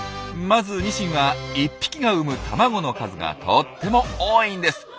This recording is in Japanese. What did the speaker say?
まずニシンは１匹が産む卵の数がとっても多いんです。